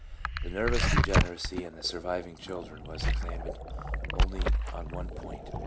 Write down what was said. The nervous degeneracy in the surviving children was examined only on one point.